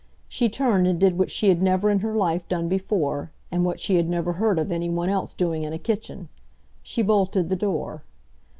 She turned and did what she had never in her life done before, and what she had never heard of anyone else doing in a kitchen. She bolted the door.